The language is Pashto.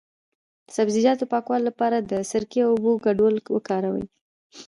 د سبزیجاتو د پاکوالي لپاره د سرکې او اوبو ګډول وکاروئ